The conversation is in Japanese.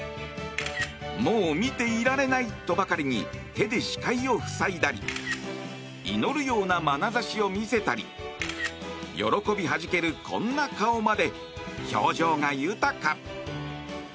もう見ていられないとばかりに手で視界を塞いだり祈るようなまなざしを見せたり喜びはじける、こんな顔まで表情が豊か。